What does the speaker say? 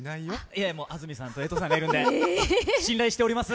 いや、安住さんと江藤さんがいるので信頼しております。